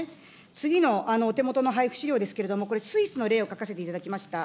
次のお手元の配布資料ですけれども、これ、スイスの例を書かせていただきました。